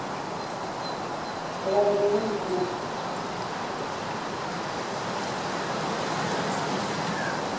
Era berean, nazioarteko petrolio-erreserbak sendotzeko plan bat jarriko du martxan.